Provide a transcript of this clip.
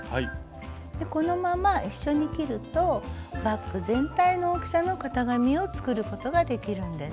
このまま一緒に切るとバッグ全体の大きさの型紙を作ることができるんです。